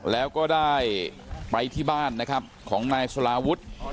แล้วก็ได้ไปที่บ้านนะครับของนายสลาวุฒิ